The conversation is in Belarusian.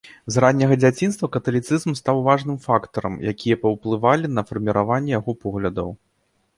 З ранняга дзяцінства каталіцызм стаў важным фактарам, якія паўплывалі на фарміраванне яго поглядаў.